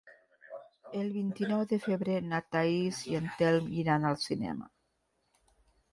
El vint-i-nou de febrer na Thaís i en Telm iran al cinema.